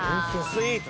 スイーツ？